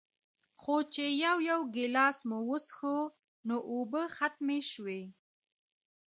خو چې يو يو ګلاس مو وڅښو نو اوبۀ ختمې شوې